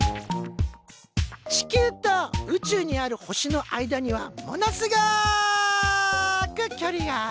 地球と宇宙にある星の間にはものすごく距離がある。